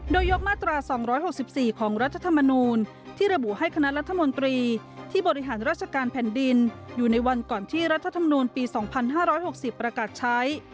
โดยยกมาตรา๒๖๔ของรัฐธรรมนูลที่ระบุให้คณะรัฐมนตรีที่บริหารราชการแผ่นดินอยู่ในวันก่อนที่รัฐธรรมนูลปี๒๕๖๐ประกาศใช้